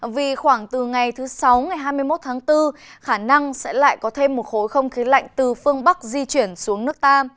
vì khoảng từ ngày thứ sáu ngày hai mươi một tháng bốn khả năng sẽ lại có thêm một khối không khí lạnh từ phương bắc di chuyển xuống nước ta